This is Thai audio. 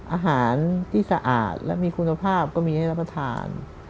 อาหารที่สะอาดและมีคุณภาพก็มีให้รับประทาน